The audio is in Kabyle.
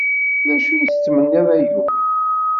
D acu i tettmenniḍ, ay ul?